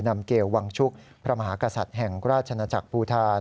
นำเกลวังชุกพระมหากษัตริย์แห่งราชนาจักรภูฐาน